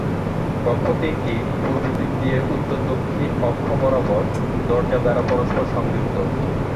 কক্ষ তিনটি পূর্বদিক দিয়ে উত্তর-দক্ষিণ অক্ষ বরাবর দরজা দ্বারা পরস্পর সংযুক্ত।